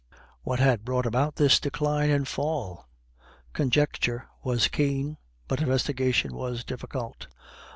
What had brought about this decline and fall? Conjecture was keen, but investigation was difficult.